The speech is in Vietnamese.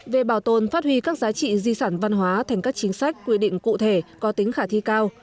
về bảo tồn phát huy các giá trị di sản văn hóa thành các chính sách quy định cụ thể có tính khả thi cao